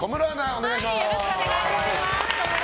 お願いします。